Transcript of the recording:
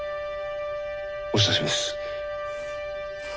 お久しぶりです。